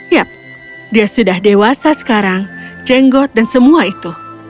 yap dia sudah dewasa sekarang jenggot dan semua itu